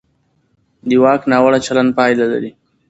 د واک ناوړه چلند پایله لري